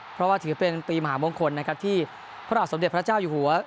เพราะว่าถือเป็นปีมหามงคลนะครับที่พระบาทสมเด็จพระเจ้าอยู่หัว